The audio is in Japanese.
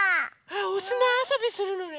おすなあそびするのね。